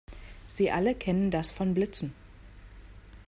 Sie alle kennen das von Blitzen.